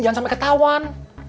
jangan sampai ketauan